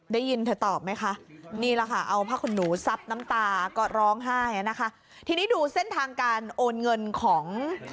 ได้ยินเธอตอบไหมคะนี่แหละค่ะเอาผ้าขนหนูซับน้ำตาก็ร้องไห้นะคะทีนี้ดูเส้นทางการโอนเงินของ